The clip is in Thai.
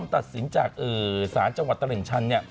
ตัดสินจากศาลจังหวัดตลิ่งชัน